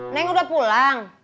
neng udah pulang